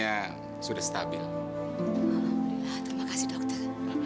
alhamdulillah terima kasih dokter